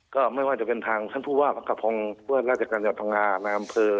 ก็ไม่ว่าจะเป็นทางฉันพูดว่ามักกระพงราชกรรมภงาน้ำเภอ